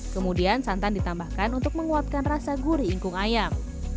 kemudian santan ditambahkan untuk menguatkan rasa gurih ingkung ayam